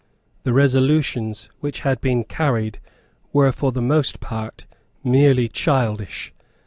The resolutions which had been carried were for the most part merely childish.